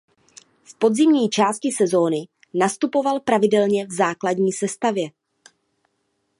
V podzimní části sezony nastupoval pravidelně v základní sestavě.